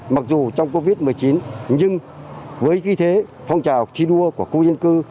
mặc dù trong covid một mươi chín nhưng với khí thế phong trào thi đua của khu dân cư